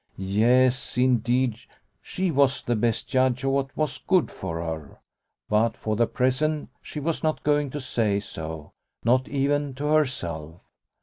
Yes, indeed, she was the best judge of what was good for her. But for the present she was not going to say so, not even to herself.